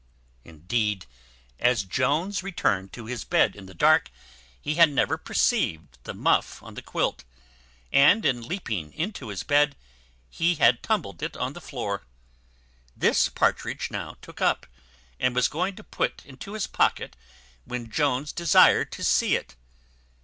Indeed, as Jones returned to his bed in the dark, he had never perceived the muff on the quilt, and, in leaping into his bed, he had tumbled it on the floor. This Partridge now took up, and was going to put into his pocket, when Jones desired to see it.